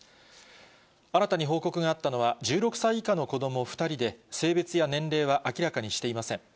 新たに報告があったのは、１６歳以下の子ども２人で、性別や年齢は明らかにしていません。